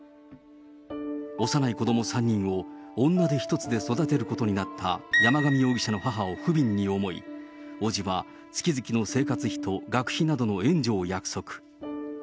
幼い子ども３人を女手一つで育てることになった山上容疑者の母をふびんに思い、伯父は月々の生活費と学費などの援助を約束。